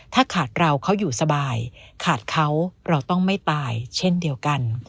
ถ้าขาดเราเขาอยู่สบายขาดเขาเราต้องไม่ตายเช่นเดียวกัน